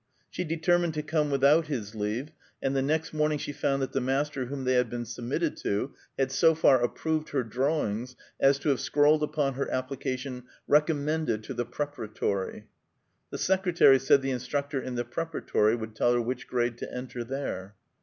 She determined to come without his leave, and the next morning she found that the master whom they had been submitted to had so far approved her drawings as to have scrawled upon her application, "Recommended to the Preparatory." The secretary said the instructor in the Preparatory would tell her which grade to enter there.